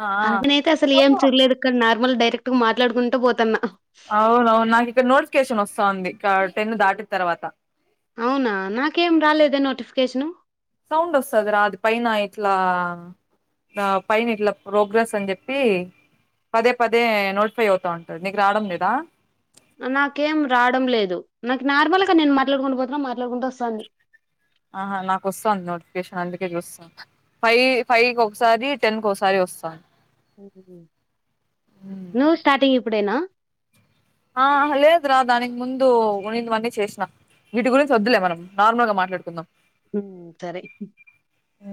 ఆ అదనైయితే అసలు ఏం చూడలేకున్నారు మాల్ డైరెక్ట్ గా మాట్లాడుకుంటూ పోతాన్నా అవునవును నాకు ఇక్కడ నోటిఫికేషన్ వస్తాంది ఇ టెన్ దాటి తర్వాత అవునా నాకేం రాలేదే నోటిఫికేషను సౌండ్ వస్తుంది రా అది పైన ఇట్లా పైన ఇట్లా ప్రోగ్రెస్ అని చెప్పి పదే పదే నోటిఫై అవుతా ఉంటుంది నీకు రావడం లేదా నాకేం రావడం లేదు నాకు నార్మల్గా నేను మాట్లాడుకుండా పో మాట్లాకుంటూ వస్తాంది ఆహ నాకు వస్తుంది నోటిఫికేషన్ అందుకే చస్తా ఫైవ్ ఫైవ్ ఒకసారి టెన్ ఒకసారి వస్తాంది నువ్వు స్టార్టింగ్ ఇప్పుడేనా ఆ లేదు రా దానికి ముందు ఉన్ని వన్నీ చేసిన వీటి గురించి వద్దులే. మనం నార్మల్ గా మాట్లాడుకుందాం. హ్మ్. సరే. ఉ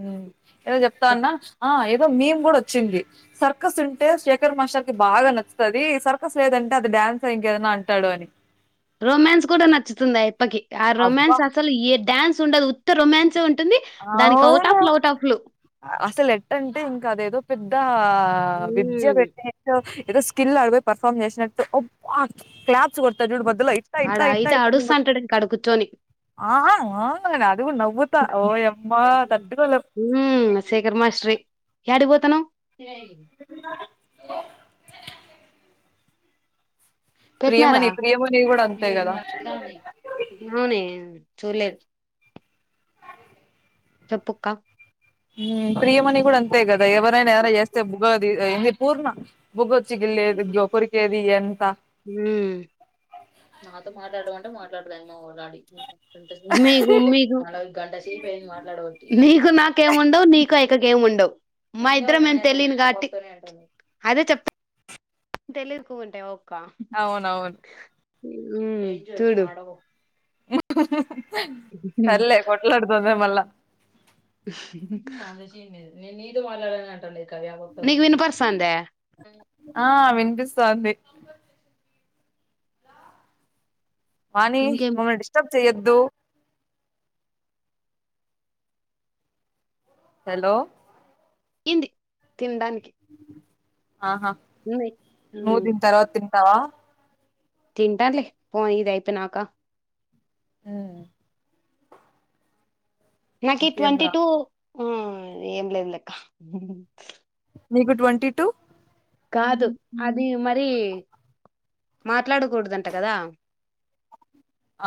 ఏదో చెప్తాన్న ఆ ఏదో మేము ఇప్పుడు వచ్చింది సర్కస్ అంటే శేఖర్ మాస్టర్ కి బాగా నచ్చుతాది సర్కస్ లేదంటే డ్యాన్ ఇంకేదైనా అంటాడు అని రొమాన్స్ కూడా నచ్చుతుంది అయి పకి ఆ అబ్బా! రొమాయాన్స్ అసలు ఈ డ్యాన్స్ ఉండదు ఉత్త! ! ! ! ! ! ! ! ! ! ఉం అవును అసలు ఎట్టంటే ఇంకా దేదో సిద్ద ఆ విద్య హ్మ్. పెట్ నే ఏదో స్కిల్ ఆడిపోయి పర్ఫామ్ చేసినట్ అబ్బా క్లాప్ చ్చతా జూడు మధ్యలో ఇట్టా ఆడ ఇట్టా అయితే ఇట్టని అడుస్తంటాడు ఇంక ఆడ కూర్చొని. ఆ అ అవును అదిగుడా నవ్వుతా ఓ యమ్మా హ్మ్. తట్కోలేం హ్మ్. శేఖర్ మాస్టరే. యాడికి పోతాం లే పెట్నారా 'ప్రియమణి', 'ప్రియమణి' గూడా అంతే గదా! ఊనే చూలే చెప్పుక్క ఊ ప్రియమని కూడా అన్ అంతే కదా ఎవరైనా ఏమైనా జేస్తే ముగది ఏంది పూర్ణ బుగ్గొచ్చి గిల్లేది కొరికేది ఇదంత ఉమ్ మీ మీకు నీకు నాకేముండవు నీకు అయక్క కేముండవు మా ఇద్దరం మేం తెలిన్ గాట్టి అదే చెప్ప తెలెక్కువుంటే ఓ అవునవు ఉమ్ చుడు ఆ సర్లే కొట్లాడుదు మళ్ళ అంత సీన్ లేదు నేను నీతో మాట్లాడట అంటాండేది నీకు వినపడిసంద కంగ్రాట్యులేషన్ వాణి ఇంకేం మమ్ డిస్టబ్ సెయ్యద్దు హలో హింది ఆహా నవ్ దిన్ తర్వాత తిం నవా తింటన్లే పో ఇది అయిపో నాకా హు నాకి ఈ ఇంకేం ట్వంటి రా టూ ఆ ఏం లేదు లె అక్క నికు ట్వంటీ టూ కాదు అది మరి మా ట్లాడకూడదంట కదా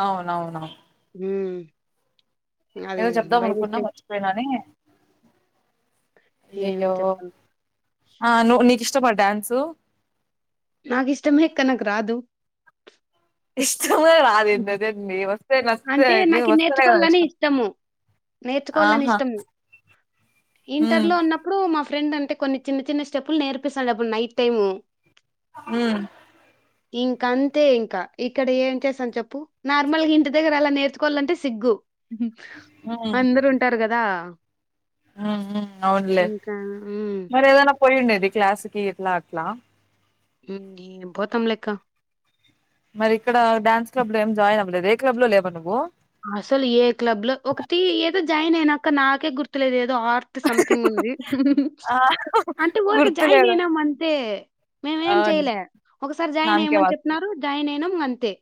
అవునవునవు హు ఏదో చెప్దాం అనుకున్నా మర్చిపోయినానే ఏం అయ్యయ్యో చెప్పను ఆ నువ్ నికిష్ ష్టమా డ్యాన్సు నాకు ఇష్టమే అక్క నాకు రాదు తు అదేందది వస్తే అంటే నచ్చుతయండి నాకు వస్తేనే కదా నేర్చుకోవాలని ఇష్టం ఇష్టము నేర్చుకోవాలని ఆహా ఇష్టము హు ఇంటర్లో ఉన్నప్పుడు మా ఫ్రెండ్ అంటే కొన్ని చిన్న చిన్న స్టెప్పులు నేర్పిస్థాండే అడప్పుడు నైట్ టైమ్ హు మ్ ఇంకా అంతే ఇంకా ఇక్కడ ఏం చేస్ స్తాం చెప్పు నార్మల్గా ఇంటి దగ్గర అలా నేర్పీ చు కోలంటే సిగ్గు అందరు ఉంటారు కదా ఉ ఉ అవునులే ఇంకా ఉమ్. మరి ఏదన్నా పోయిండే ఇ క్లాస్కి ఇట్లా అట్లా ధీ పోతాం లెక్క మరి ఇక్కడ డ్యాన్స్ క్లబ్ లో ఏం జాయిన్ అవ్వలేదు ఏ క్లబ్ లో లేవా నువ్వు అసలు ఏ క్లబ్ లో ఒకటి ఏదో జాయిన్ అయినా అక్క నాకే గుర్తులేదు ఏదో దో ఆర్ట్ సంథింగ్ ఉంది ఆ అంటే ఊరికే జాయిన్ గుర్తులేదు అయినాం అంతే మేము ఏం అవును చెయలే ఒకసారి జాయిన్ నామకే అయ్యమని వాస్తు చెప్పినరు జాయిన్ అయినాం అంతే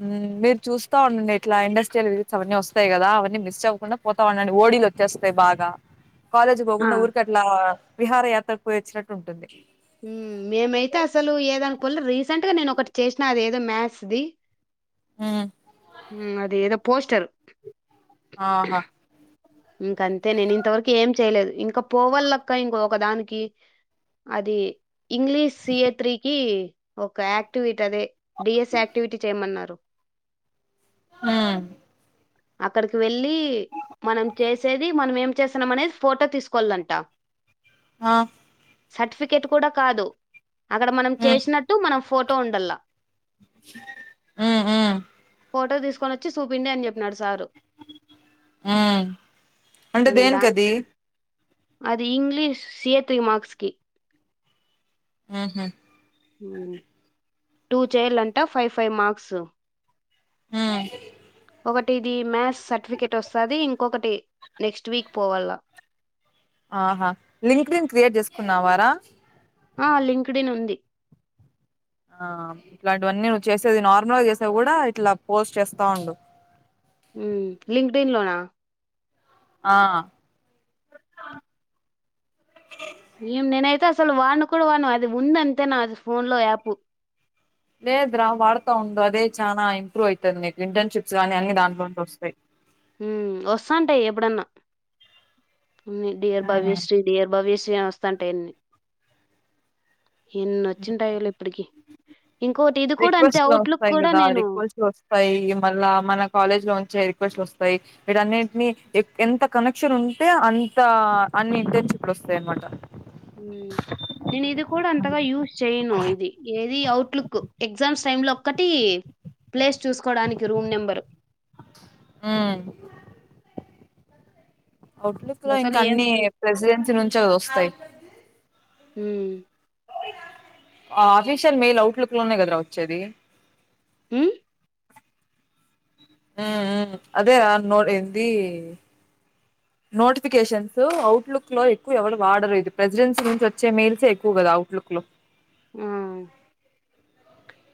హు మీరు చూస్తా ఉండండి ఇట్లా ఇండస్ట్రియల్ రీల్స్ అవన్నీ వస్తాయి కదా అవన్నీ మిస్ట్ అవ్వకుండా పోతా ఉండండి ఓడీలు వచ్చేస్తాయి బాగా కాలేజ్ ఆ! పోకుండా ఊరికట్లా విహార యాత్రకు పోయి వచ్చినట్టు ఉంటుంది హు మేమైతే అసలు ఏదానిపోలె రీసెంట్ గా నేను ఒకటి చేసిన అది ఏదో మ్యాథ్స్ది హ్మ్ హు అది ఏదో పోస్టర్ ఆహా ఇంక అంతే నేను ఇంతవరకు ఏం చేయలేదు ఇంకా పోవళ్ళక్క ఇంక ఒకదానికి అది ఇంగ్లీష్ సియేట్రికి ఒక యాక్టివిటీ అదే డిఎస్ యాక్టివిటీ చేయమన్నారు హు అక్కడికి వెళ్ళి మనం చేసేది మనం ఏం చేస్తన్నం అనేది ఫోటో తీసుకోవాలంట ఆ సర్టిఫికెట్ కూడా కాదు అక్కడ మనం చేసినట్టు మనం ఫోటో ఉండల్ల ఊ ఊ ఫోటో తీసుకొని వచ్చి సూపిండి అని చెప్పినాడు సారు ఉ అంటే ఇంక దేని కది దానికి అది English C A three marks కి ఉహు ఓయమ్మ టూ చేయాలంట ఫైవ్ ఫైవ్ మార్క్స్ హు ఒకటి ఇది మ్యాథ్స్ సర్టిఫికెట్ వస్తాది ఇంకొకటి నెక్స్ట్ వీక్ పోవల్ల ఆహా లింక్డ్ ఇన్ క్రియేట్ చేసుకున్నా వారా ఆ లింక్డ్ ఇన్ ఉంది ఆ ఇట్లాంటివన్నీ నువ్వు చేసేది నార్మల్ గా చేసేవి కూడా ఇట్లా పోస్ట్ చేస్తా ఉండు ఊ లింక్డెన్ లోనా ఆ ఏం నేనైతే అసలు వాడను కూడా వాడను అది ఉందంతే నాది ఫోన్ లో యాప్ లేదు రా వాడతా ఉండు అదే చాలా ఇంప్రూవ్ అవుతుంది నీకు ఇంటర్న్షిప్స్ కానీ అన్ని దాంట్లోంచి వస్తాయి ఉ వస్తాంటే ఎప్పుడన్నా అన్ని డియర్ భవ్య ఉమ్. శ్రీ డియర్ భవ్య శ్రీ నేను వస్త అంటే ఎన్ ఎన్న వచ్చిన టైళ ఇప్పటికి ఇంకోటి ఇది కూడా అంతే రిక్వెస్ట్లు అవుట్లుక్ వస్తాయి కూడా కదా నేను రిక్వెస్ట్లు వస్తాయి మళ్ళా మన కాలేజ్ లో ఉంచే రిక్వెస్ట్లు వస్ వాయి వీటన్నింటిని ఎంత కనెక్షన్ ఉంటే అంత అన్ని ఇంటర్న్షిప్ ఇప్పుడు వస్తాయి అనమాట నేను ఇది కూడా అంతగా యూస్ చేయను ఇది ఏ అట్లుక్ ఎగ్జామ్స్ టై లో ఒక్కటీ ప్లేస్ చూకోడానికి రూమ్ నెంబరు ఉమ్ అవుట్లుక్ లో అసలు ఇంకా ఏం అన్ని చూ ప్రెసిడెన్సీ నుంచే గదా వస్తాయి హ్మ్ ఆ ఆఫీషియల్ మెయిల్ అవుట్లుక్ లోనే కదరా వచ్చేది హ అదే న ఏంది నోటిఫికేషన్స్ అవుట్లుక్ లో ఎక్కువ ఎవరు వాడరు ఇది ప్రెసిడెన్సీ నుంచి వచ్చే మెయిల్సే ఎక్కువ కదా అవుట్లుక్ లో ఆ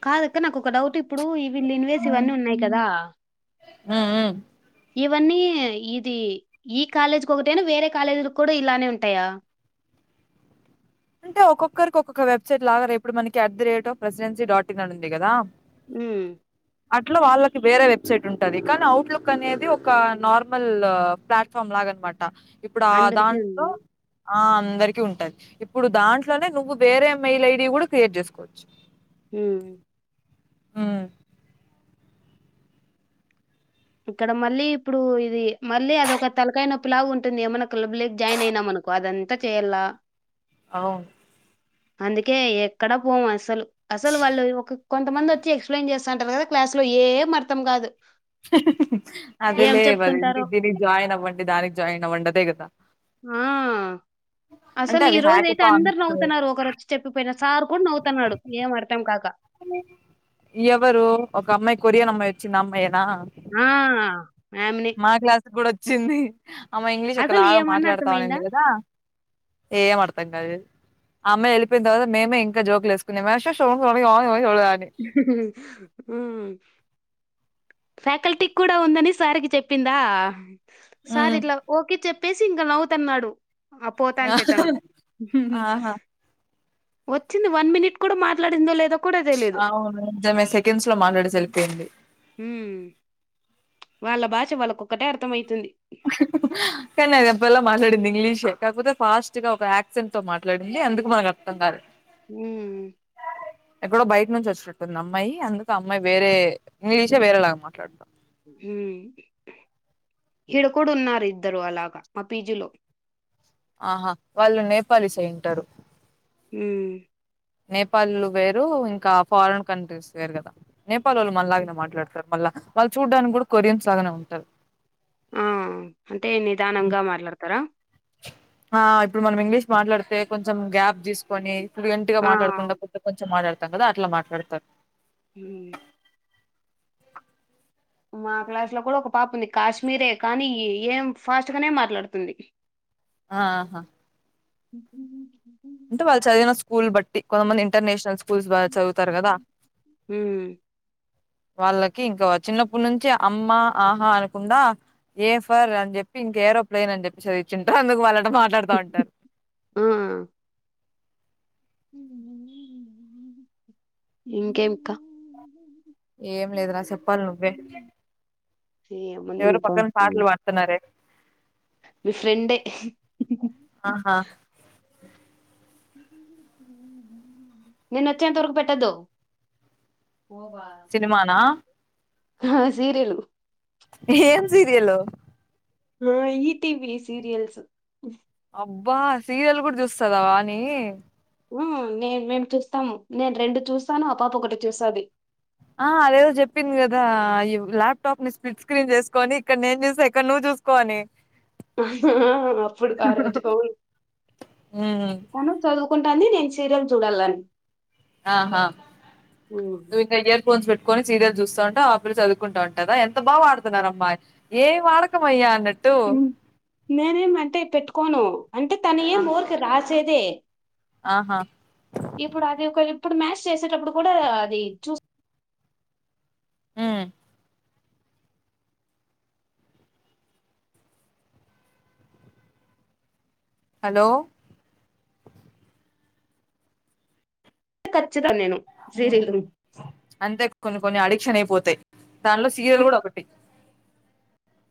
కాదుక్క నాకు ఒక డౌట్ ఇప్పుడు ఈ వీళ్ళన్వేసి ఇవన్నీ ఉన్నాయి కదా ఆ ఆ ఇవన్నీ ఇది ఈ కాలేజీకి ఒకటైనా వేరే కాలేజీ కూడా ఇలానే ఉంటాయా అంటే ఒక్కొక్కరికి ఒక్కొక్క వెబ్సైట్ లాగా ర ఇప్పుడు మనకి at the rate of Presidency dot in అ ఉంది కదా హ అట్లా వాళ్ళకి వేరే వెబ్సైట్ ఉంటది కానీ అఔట్లుక్ అనేది ఒక నార్మల్ ప్లాట్ఫామ్ లాగా అనమాట ట ఇప్పుడు ఆ అందరికీ ఉంది దాంట్లో ఆ అందరికి ఉంటది ఇప్పుడు దాంట్లోనే నువ్వు వేరే మెయిల్ ఐడి కూడా క్రియేట్ చేసుకోవచ్చు హా హోమ్ ఇక్కడ మళ్ళీ ఇప్పుడు ఇది మళ్ళీ అదొక తలకాయ నొప్పి లాగా ఉంటుంది ఏమన్నా క్లబ్ జాయిన్ అయినా మనకు అదంతా చెయలా అవును అందుకే ఎక్కడా పోం అసలు అసలు వాళ్ళు ఒక కొంతమంది వచ్చి ఎక్స్ప్లెయిన్ చేస్ సెంటరు కదా క్లాస్ లో ఏం అర్థం కాదు అది ఏం లేవద చెప్తుంటారో జాయిన్ అవ్వండి దానికినికి జాయిన్ అవ్వండి అదే కదా ఆ అసలు ఈ అవి రోజు అయితే అందరు హ్యాకథాన్స్ నవ్వుతున్నారు ఒకరోచ్చి చెప్పిపోయిన సార్ కూడా నవ్వుతున్నాడు ఏం అర్థం కాక ఎవరు ఒక అమ్మాయి కొరియన్ అమ్మాయి వచ్చింది ఆ అమ్మాయేనా ఆ ఆమ్ని చిన్ని ఆమె ఇంగ్లీష్ ఒకలాగా మాట్లాడతానండి అర్థమైందా? కదా ఏం అర్థం కాదు అమ్మాయి వెళ్ళపోయిన తర్వాత మేమే ఇంకా జోక్లు వేసుకునే వర్షశో ఓయ్ ఓయ్ ఆ ఫ్యాకల్టీ కూడా ఉందని సారికి చెప్పిందా సార్ ఉమ్ ఇట్లా ఓకే చెప్ చేసి ఇంకా నవుతున్నాడు ఆ పోతాంటే తను ఆహా వచ్చింది వన్ మినిట్ కూడా మాట్లాడిందో లేదో కూడా తెలీదు అవును నిజమే సెకండ్స్ లో మాట్లాడేసి వెళ్ళిపోయింది ఉమ్, వాళ్ళ భాష వాళ్ళక ఒకటే అర్థం అయితుంది కానీ అది ఎప్పలా మాట్లాడింది ఇంగ్లీషే కాకపోతే ఫాస్ట్ గా ఒక యాక్సెంట్ తో మాట్లాడింది అందుకు మనకు అర్థం కాదు హ ఇక్క బయట నుంచి వచ్చినట్టుంది అమ్మాయి, అందుకు అమ్మాయి వేరే ఇంగ్లీషే వేరేలాగా మాట్లాడతాం మ్ హిడకడున్నారు ఇద్దరు అలాగా మా పీజిలో ఆహా వాళ్ళు నేపాలీ సైంటారు మ్ నేపాళ్లు వేరు, ఇంకా ఫారిన్ కంట్రీస్ వేరు కదా, నేపాల్ వాళ్ళు మళ్ళలాగనే మాట్లాడతారు మళ్ళా, వాళ్ళు చూడ్డానికి కూడా కొరియన్స్ లాగానే ఉంటారు. ఆ అంటే నిదానంగా మాట్లాడతారా ఆ ఇప్పుడు మనం ఇంగ్లీష్ మాట్లాడితే కొంచెం గ్యాప్ తీసుకొని సైలెంట్గా ఆ, మాట్లాడుకుంట కొ కొంచం మాట్లాడు కదా అట్లా మాట్లాడతారు మ్ మా క్లాస్లో కూడా ఒక పాప ఉంది కాశ్మీరే కానీ ఏం ఫాస్ట్గానే మాట్లాడుతుంది ఆహా అంటే వాళ్ళు చదివిన స్కూల్ బట్టి, కొంతమంది ఇంటర్నేషనల్ స్కూల్స్ చదువుతారు కదా ఉమ్. వాళ్ళకి ఇంకా చిన్నప్పుడు నుంచి అమ్మ ఆహా అనుకుండా, ఏ ఫర్ అని చెప్పి ఇంక ఏరోప్లెయిన్ అని చెప్పేసిది ఇచ్చి అందుకు వాళ్ళ ఆ ఇంకేం ఆకా ఏం లేదురా చెప్పాలి నువ్వే ఏముంది ఎవరు ఇంకా పక్కన ఉమ్. పాటలు పాడుతున్నారే మీ ఫ్రెండే ఆహా! నేను వచ్చేంత వరకు పెట్టదో పో బా సినిమానా ఆ సీరియలు ఏం సీరియల్ ఆ ఈ టి వి సీరియల్స్ అబ్బా సీరియల్ కూడా చూస్తదా వాని మ్ నేను మేము చూస్తాము నేను రెండు చూస్తాను ఆ పాప ఒకటి చూస్తాది ఆ అదదో చెప్పింది కదా, ఈ ల్యాప్టాప్ ని స్పిడ్ స్క్రీన్ చేసుకోని ఇక్కడ నేను చూసా ఇక్కడ నువ్వు చూసుకోని అప్పుడు ఆ రోజ మ్మ్ అవును చీరం చూడాలని ఆహా ఉమ్. నువు ఇకా ఇయర్ ఫోన్స్ పెట్ కని సీరియల్ చూస్తూ ఉంటే ఆ పిల్ చదువుకుంటా ఉంటుందా, ఎంత బా మాటడుతున్నారు అమ్మా ఏం వాడకంమయ్యా అన్నట్టు ట్టు నేనేమి అంటే పెట్టుకోను అంటే తను ఏం ఊరిక రా సెదే ఆహా ఇప్పుడు అది ఒక లిప్ ఇప్పుడు మ్యాస్ చేసేటప్పుడు కూడా అది చూస్ మ్మ్ హలో వచ్చేదాన్ని నేను ప్రీ రిలీజ్ క్షణయిపోతాయి దానిలో సీరియల్ కూడా ఒకటి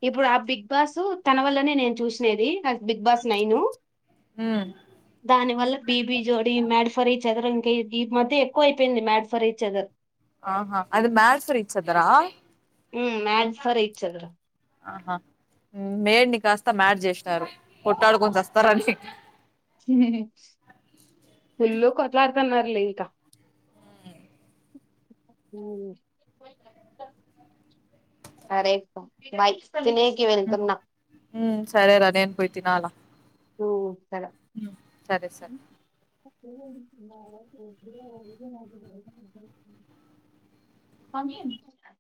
ఇప్పుడు ఆ బిగ్ బాసు తన వల్లనే నేను చూసినేది బిగ్ బాస్ నైను మ్మ్ దాని వల్ల బీబీ జోడి మేడిఫ్ ఫరీచదర్ ఇంకా ఈ మధ్య ఎక్కువ అయిపోయింది మ్యాడ్ ఫరీచదర్ ఆహా అది మ్యాడ్ ఫర్ ఈచ్ అదరా మ్మ్ మ్యాడ్ ఫర్ ఈచ్ అదర్ ఆహా మేడ్ ని కాస్త మ్యాడ్ చేసినారు కొట్టాడు కోని చస్తారని మ్మ్ ఫుల్లు కొట్లాడతన్నారు లే ఇంక మ్మ్ సరేక్క బాయ్ మ్మ్ సరే రా నేన్ పోయ్తినాల ఓ సరే సార్ పంపిన్